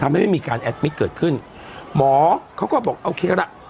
ทำให้ไม่มีการแอดมิกเกิดขึ้นหมอเขาก็บอกเอาเคลียร์ล่ะ